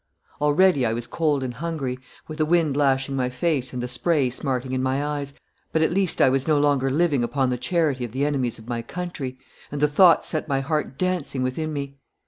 Already I was cold and hungry, with the wind lashing my face and the spray smarting in my eyes, but at least I was no longer living upon the charity of the enemies of my country, and the thought set my heart dancing within me.